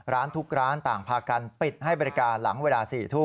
ร้านทุกร้านต่างพากันปิดให้บริการหลังเวลา๑๖๐๐